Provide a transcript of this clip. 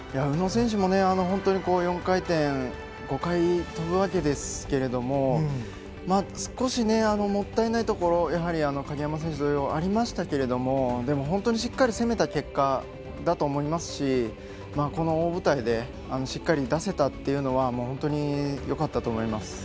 宇野選手も４回転を５回跳ぶわけですけど少しもったいないところ鍵山選手同様ありましたけれども、しっかり攻めた結果だと思いますしこの大舞台でしっかり出せたというのは本当によかったと思います。